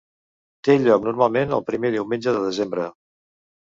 Té lloc normalment el primer diumenge de desembre.